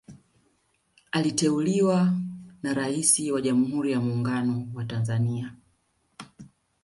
Aliteuliwa na Rais wa Jamhuri ya muungano wa Tanzania